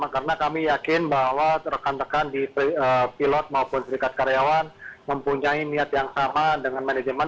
karena kami yakin bahwa rekan rekan di pilot maupun serikat karyawan mempunyai niat yang sama dengan manajemen